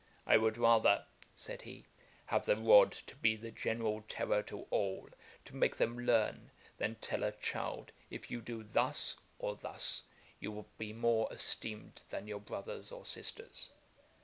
'I would rather (said he) have the rod to be the general terrour to all, to make them learn, than tell a child, if you do thus, or thus, you will be more esteemed than your brothers or sisters.